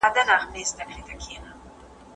باران د ونو پاڼې پاکې کړې.